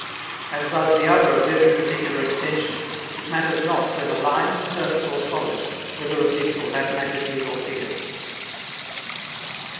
As does the other of every particular extension, it matters not whether line, surface, or solid, whether of this or that magnitude or figure.